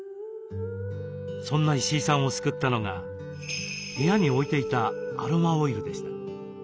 そんな石井さんを救ったのが部屋に置いていたアロマオイルでした。